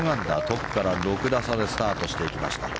トップから６打差でスタートしていきました。